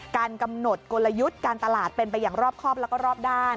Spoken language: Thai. การกำหนดกลยุทธ์การตลาดเป็นไปอย่างรอบครอบแล้วก็รอบด้าน